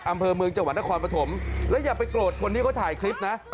อำเภอเมืองจังหวัดนครปฐมแล้วอย่าไปโกรธคนที่เขาถ่ายคลิปนะ